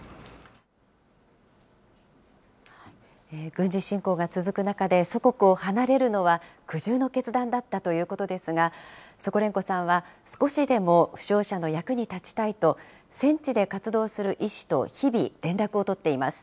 軍事侵攻が続く中で、祖国を離れるのは苦渋の決断だったということですが、ソコレンコさんは、少しでも負傷者の役に立ちたいと、戦地で活動する医師と日々、連絡を取っています。